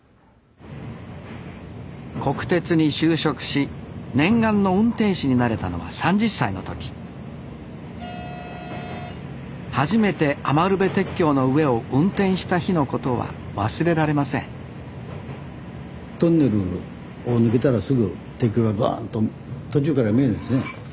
国鉄に就職し念願の運転士になれたのは３０歳の時初めて余部鉄橋の上を運転した日のことは忘れられませんトンネルを抜けたらすぐ鉄橋がバーンと途中から見えるんですね。